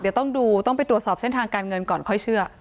เดี๋ยวต้องดูต้องไปตรวจสอบเส้นทางการเงินก่อนค่อยเชื่อ